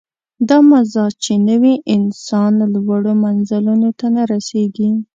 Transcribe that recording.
دا مزاج چې نه وي، انسان لوړو منزلونو ته نه رسېږي.